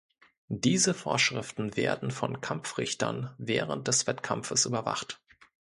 Diese Vorschriften werden von Kampfrichtern während des Wettkampfes überwacht.